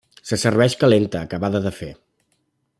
Se serveix calenta, acabada de fer.